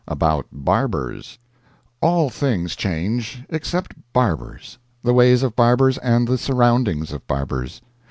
ABOUT BARBERS All things change except barbers, the ways of barbers, and the surroundings of barbers.